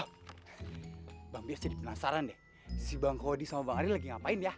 bang bias jadi penasaran deh si bang kodi sama bang ari lagi ngapain ya